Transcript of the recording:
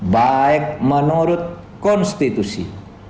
baik menurut konstitusi